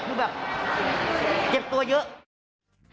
คือแบบเจ็บตัวเยอะ